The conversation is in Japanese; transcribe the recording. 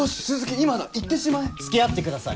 今だいってしまえ。付き合ってください！